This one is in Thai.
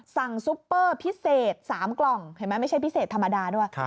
สั่งซุปเปอร์พิเศษ๓กล่องไม่ใช่พิเศษธรรมดาด้วย